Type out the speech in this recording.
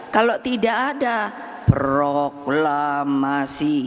kalau tidak ada proklamasi